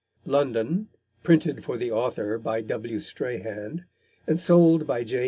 London: Printed for the Author, by W. Strahan; And sold by J.